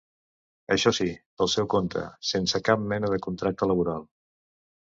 Això sí, pel seu compte, sense cap mena de contracte laboral.